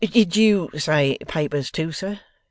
Did you say papers too, sir?